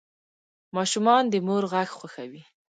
ماشومان د مور غږ خوښوي.